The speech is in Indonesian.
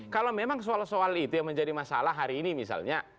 kalau memang soal soal itu yang menjadi masalah hari ini misalnya